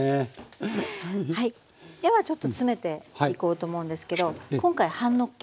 ではちょっと詰めていこうと思うんですけど今回半のっけ。